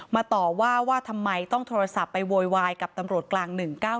ต่อว่าว่าทำไมต้องโทรศัพท์ไปโวยวายกับตำรวจกลาง๑๙๙